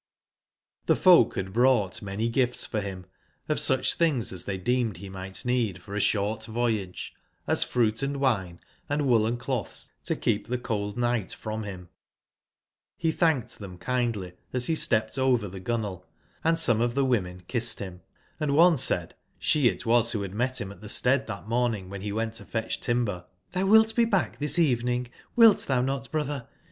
\T)S folk bad brought many gifts for him of such things as they deemed be might need for a short voyage, as fruit and wine, and woollen cloths to keep tbe cold night from him ; be thanked them kindly as be stepped over tbe gunwale, and some of tbe women kissed him: and one said (sheit was, who bad met him at the stead tbat morn ing wben be went to fetch timber): 'Xbou wilt be back this even, wilt thou not, brother?